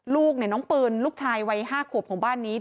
ลูกน้องปืนลูกชายวัย๕ขวบของบ้านนี้